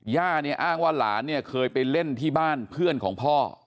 ย่าเนี่ยอ้างว่าหลานเนี่ยเคยไปเล่นที่บ้านเพื่อนของพ่อ